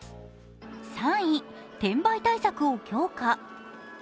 ３位、転売対策を強化。